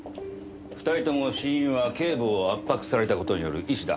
２人とも死因は頸部を圧迫された事による縊死だ。